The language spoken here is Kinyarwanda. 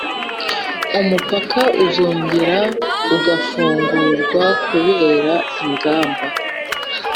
umupaka uzongera ugafungurwakubera ingamba